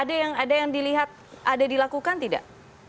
ada yang dilihat ada dilakukan tidak